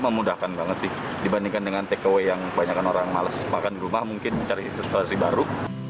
memudahkan banget sih dibandingkan dengan take away yang banyakan orang males makan di rumah mungkin cari baru